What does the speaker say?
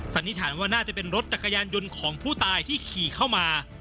สันนิษฐานว่าน่าจะเป็นรถจักรยานยนต์ของผู้ตายที่ขี่เข้ามา